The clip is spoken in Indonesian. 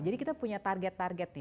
jadi kita punya target target nih